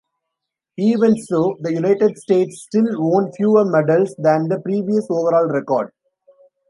Even so, the United States still won fewer medals than the previous overall record.